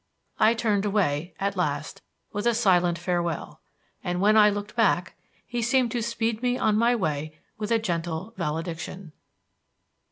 I turned away, at last, with a silent farewell; and when I looked back, he seemed to speed me on my way with gentle valediction.